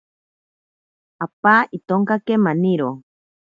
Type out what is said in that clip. Apa itonkake maniro.